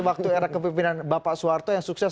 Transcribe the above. waktu era kepimpinan bapak soeharto yang sukses